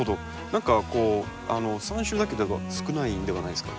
何かこう３種だけでは少ないんではないですか？